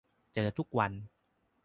เจอทุกวัน